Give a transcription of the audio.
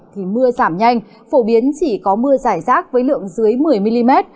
thì mưa giảm nhanh phổ biến chỉ có mưa giải rác với lượng dưới một mươi mm